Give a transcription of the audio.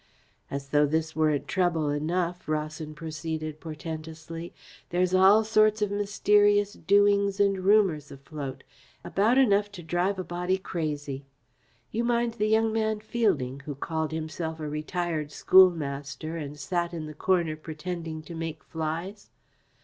"As though this weren't trouble enough," Rawson proceeded portentously, "there's all sorts of mysterious doings and rumours afloat, about enough to drive a body crazy. You mind the young man Fielding, who called himself a retired schoolmaster and sat in the corner pretending to make flies?"